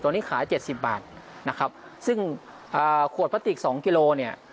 ตอนนี้ขายเจ็ดสิบบาทนะครับซึ่งอ่าขวดพลาสติกสองกิโลเนี่ย